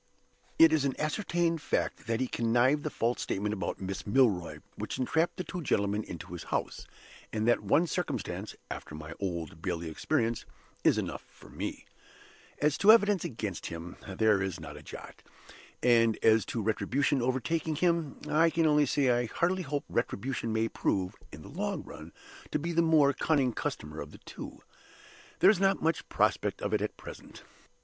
It is an ascertained fact that he connived at the false statement about Miss Milroy, which entrapped the two gentlemen into his house; and that one circumstance (after my Old Bailey experience) is enough for me. As to evidence against him, there is not a jot; and as to Retribution overtaking him, I can only say I heartily hope Retribution may prove, in the long run, to be the more cunning customer of the two. There is not much prospect of it at present.